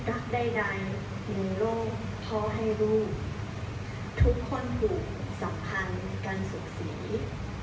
รักได้ใดในโลกพ่อให้ลูกทุกคนถูกสัมพันธ์กันสุขศรี